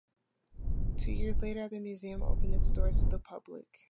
Two years later the Museum opened its doors to the public.